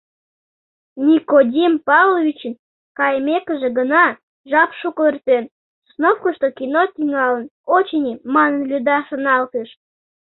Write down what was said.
Никодим Павловичын кайымекыже гына, жап шуко эртен, Сосновкышто кино тӱҥалын, очыни, манын Люда шоналтыш.